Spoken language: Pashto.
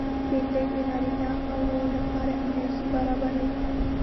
بېنډۍ د نارینه و لپاره انرژي برابروي